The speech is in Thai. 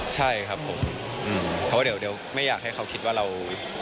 ใช่ครับผมเพราะว่าเดี๋ยวไม่อยากให้เขาคิดว่าเรา